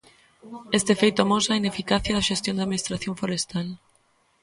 Este feito amosa a ineficacia da xestión da Administración forestal.